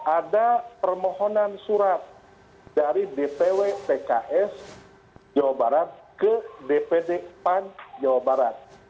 ada permohonan surat dari dpw pks jawa barat ke dpd pan jawa barat